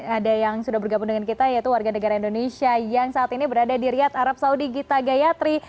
ada yang sudah bergabung dengan kita yaitu warga negara indonesia yang saat ini berada di riyad arab saudi gita gayatri